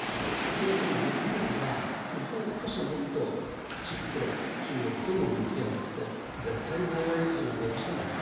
そのときに日本が、日本こそもっときちんと中国とも向き合って絶対に台湾有事なんか起こさないと。